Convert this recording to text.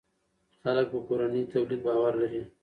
خلک په کورني تولید باور لري.